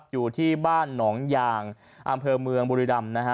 อยู่ที่บ้านหนองยางอำเภอเมืองบุรีรำนะฮะ